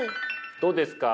どうですか？